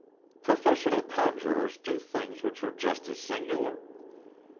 Professional conjurers do things which are just as singular.